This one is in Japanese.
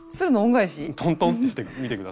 トントンってしてみて下さい。